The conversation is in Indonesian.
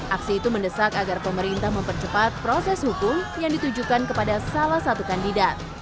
aksi itu mendesak agar pemerintah mempercepat proses hukum yang ditujukan kepada salah satu kandidat